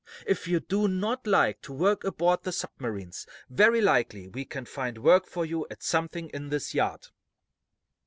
If you do not like to work aboard the submarines, very likely we can find work for you at something in this yard."